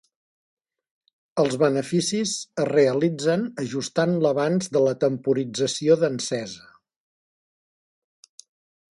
Els beneficis es realitzen ajustant l'avanç de la temporització d'encesa.